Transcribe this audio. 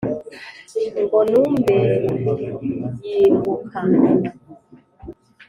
ngo numbersgimbuka